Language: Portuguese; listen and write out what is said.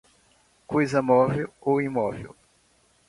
coisa móvel ou imóvel